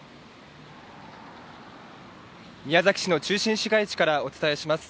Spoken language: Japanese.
宮崎市の中心市街地からお伝えします。